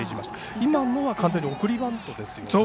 今の完全に送りバントですよね？